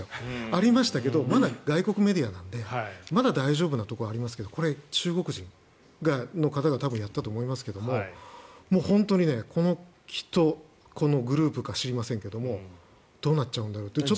ありましたけどまだ外国メディアなのでまだ大丈夫なところはありますがこれ、中国人の方が多分やったと思いますが本当にきっとこのグループか知りませんがどうなっちゃうんだろうっていう。